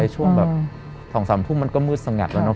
ช่วงแบบ๒๓ทุ่มมันก็มืดสงัดแล้วเนอ